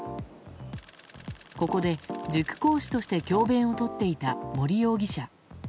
ここで塾講師として教べんを執っていた森容疑者。